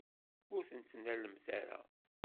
Ur ttnalemt ara.